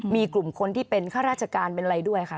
มีกลุ่มคนที่เป็นข้าราชการเป็นอะไรด้วยค่ะ